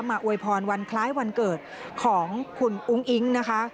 อวยพรวันคล้ายวันเกิดของคุณอุ้งอิ๊งนะคะ